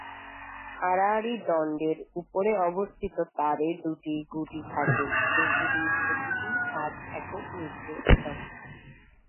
আড়াআড়ি দণ্ডের উপরে অবস্থিত তারে দুইটি গুটি থাকে, যেগুলির প্রতিটি পাঁচ একক নির্দেশ করে।